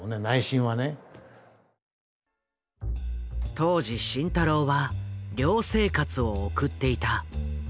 当時慎太郎は寮生活を送っていた。